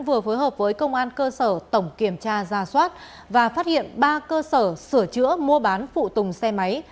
vừa phối hợp với công an cơ sở tổng kiểm tra ra soát và phát hiện ba cơ sở sửa chữa mua bán phụ tùng xe máy